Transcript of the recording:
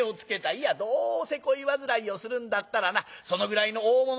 いやどうせ恋煩いをするんだったらなそのぐらいの大物のほうが楽しい。